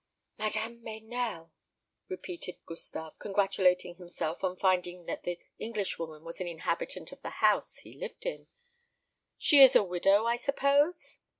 "Madame Meynell!" repeated Gustave, congratulating himself on finding that the Englishwoman was an inhabitant of the house he lived in. "She is a widow, I suppose?"